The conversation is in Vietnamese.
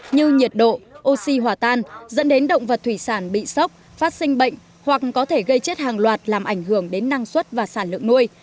như nhiệt độ oxy hòa tan dẫn đến động vật thủy sản bị sốc phát sinh bệnh hoặc có thể gây chết hàng loạt làm ảnh hưởng đến năng suất và sản lượng nuôi